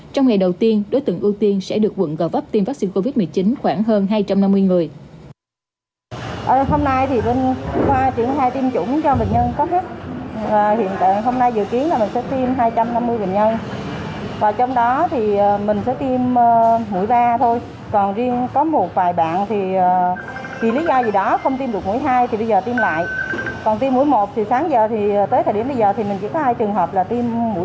trong ngày đầu tiên đối tượng ưu tiên sẽ được quận covap tiêm vaccine covid một mươi chín khoảng hơn hai trăm năm mươi người